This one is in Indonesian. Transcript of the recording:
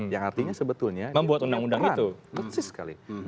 yang artinya sebetulnya dia punya peran